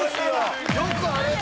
よくあれで。